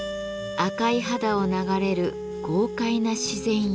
赤い肌を流れる豪快な自然釉。